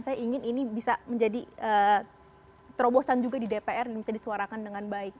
saya ingin ini bisa menjadi terobosan juga di dpr dan bisa disuarakan dengan baik